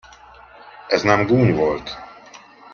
Ez nem gúny volt?